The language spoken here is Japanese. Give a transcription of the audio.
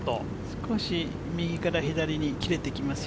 少し右から左に切れてきますよ。